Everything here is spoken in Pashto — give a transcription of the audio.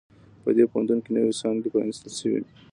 په دې پوهنتون کې نوی څانګي پرانیستل شوي